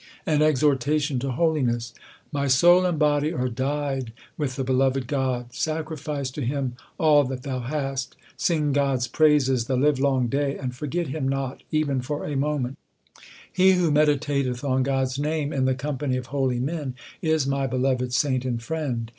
An exhortation to holiness : My soul and body are dyed with the beloved God. Sacrifice to Him all that thou hast : Sing God s praises the live long day, and forget Him not even for a moment. 1 The true Guru. HYMNS OF GURU ARJAN 121 He who meditateth on God s name in the company of holy men, Is my beloved saint and friend.